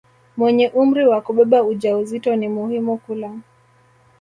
mwenye umri wa kubeba ujauzito ni muhimu kula